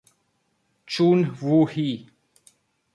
Chun Woo-hee